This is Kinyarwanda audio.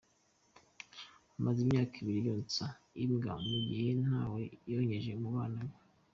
Amaze imyaka ibiri yonsa imbwa mu gihe nta we yonkeje mu bana be